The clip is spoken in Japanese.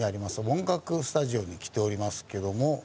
音楽スタジオに来ておりますけども。